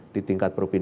di tingkat perubahan